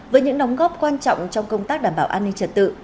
với những đóng góp quan trọng trong công tác đảm bảo an ninh trật tự